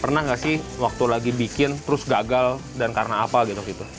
pernah nggak sih waktu lagi bikin terus gagal dan karena apa gitu